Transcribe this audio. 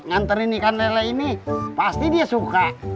nganterin ikan lele ini pasti dia suka